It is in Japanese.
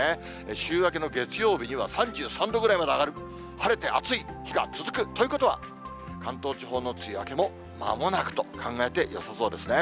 週明けの月曜日には３３度ぐらいまで上がる、晴れて暑い日が続くということは、関東地方の梅雨明けも、まもなくと考えてよさそうですね。